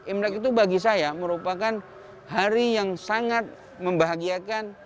imlek itu bagi saya merupakan hari yang sangat membahagiakan